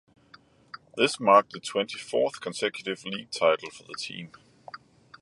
This marked the twenty-fourth consecutive league title for the team.